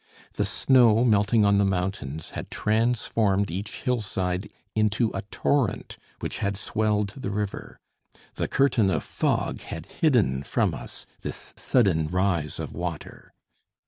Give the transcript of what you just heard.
The snow melting on the mountains had transformed each hillside into a torrent which had swelled the river. The curtain of fog had hidden from us this sudden rise of water.